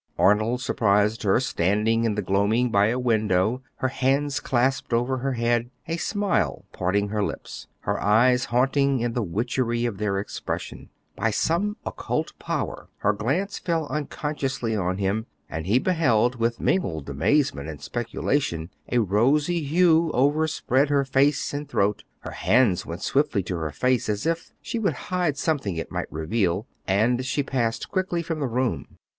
Arnold surprised her standing in the gloaming by a window, her hands clasped over her head, a smile parting her lips, her eyes haunting in the witchery of their expression. By some occult power her glance fell unconsciously on him; and he beheld, with mingled amazement and speculation, a rosy hue overspread her face and throat; her hands went swiftly to her face as if she would hide something it might reveal, and she passed quickly from the room.